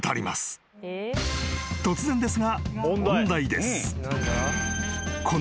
［突然ですが問題です］